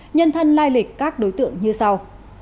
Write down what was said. nhân thân lai lịch các đối tượng như sau